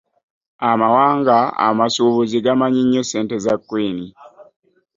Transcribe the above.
Amawanga amasuubuzi gamanyi nnyo ssente za queen.